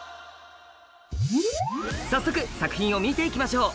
早速作品を見ていきましょう。